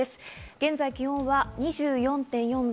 現在、気温は２４．４度。